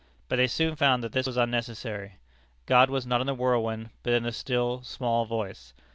But they soon found that this was unnecessary. God was not in the whirlwind, but in the still, small voice.